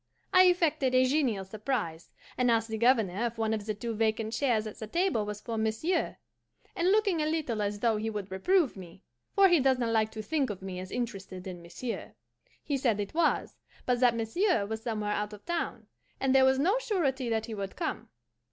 I affected a genial surprise, and asked the Governor if one of the two vacant chairs at the table was for monsieur; and looking a little as though he would reprove me for he does not like to think of me as interested in monsieur he said it was, but that monsieur was somewhere out of town, and there was no surety that he would come.